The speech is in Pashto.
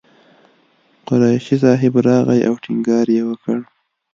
قریشي صاحب راغی او ټینګار یې وکړ.